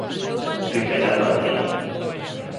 Trinta e catro anos.